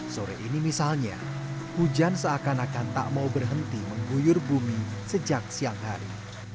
sore ini misalnya hujan seakan akan tak mau berhenti mengguyur bumi sejak siang hari